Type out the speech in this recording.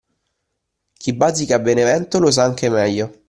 Chi bazzica Benevento lo sa anche meglio